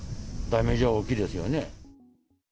ダメージは大きいですよね。